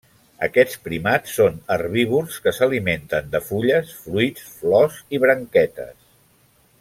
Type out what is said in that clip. Aquests primats són herbívors que s'alimenten de fulles, fruits, flors i branquetes.